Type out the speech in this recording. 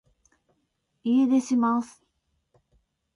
家出します